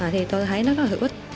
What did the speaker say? thì tôi thấy nó rất là hữu ích